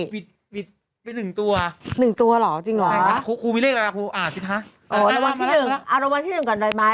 วิทย์เป็น๑ตัวคุณมีเลขอะไรครับอ่า๑๕อ่ารวมที่๑ก่อนด้วยมั้ย